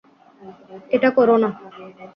এটা করো না!